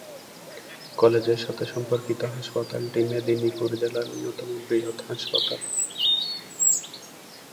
কলেজের সাথে সম্পর্কিত হাসপাতালটি মেদিনীপুর জেলার অন্যতম বৃহত্তম হাসপাতাল।